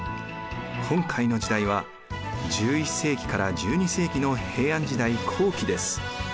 今回の時代は１１世紀から１２世紀の平安時代後期です。